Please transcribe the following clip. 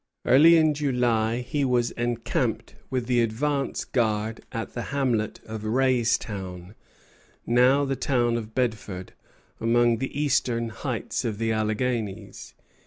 Early in July he was encamped with the advance guard at the hamlet of Raystown, now the town of Bedford, among the eastern heights of the Alleghanies.